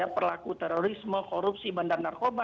perlaku terorisme korupsi bandar narkoba